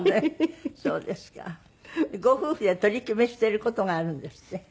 ご夫婦で取り決めしている事があるんですって？